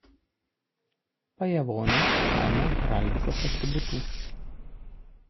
Pajevonio kaimo heraldikos atributų.